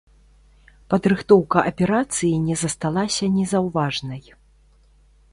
Падрыхтоўка аперацыі не засталася незаўважанай.